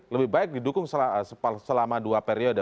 lebih baik didukung selama dua periode